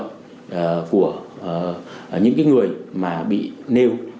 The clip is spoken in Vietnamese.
cái quyền lợi của những cái người mà bị nêu